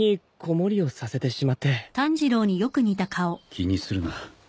気にするな。